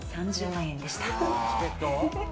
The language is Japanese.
２３０万円でした。